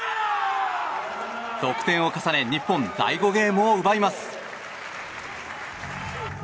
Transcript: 得点を重ね日本、第５ゲームを奪います。